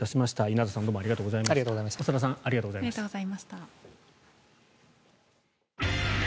稲田さん、長田さんありがとうございました。